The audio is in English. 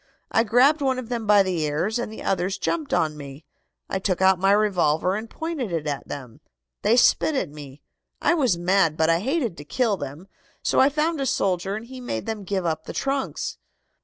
I grabbed one of them by the ears, and the others jumped on me. I took out my revolver and pointed it at them. They spit at me. I was mad, but I hated to kill them, so I found a soldier, and he made them give up the trunks.